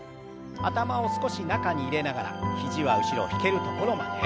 頭を少し中に入れながら肘は後ろ引けるところまで。